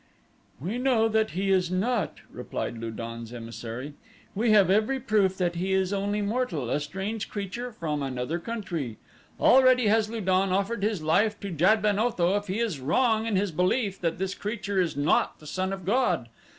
"We know that he is not," replied Lu don's emissary. "We have every proof that he is only mortal, a strange creature from another country. Already has Lu don offered his life to Jad ben Otho if he is wrong in his belief that this creature is not the son of god.